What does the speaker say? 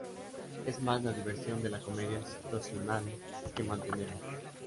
Es más la diversión de la comedia situacional que mantenemos".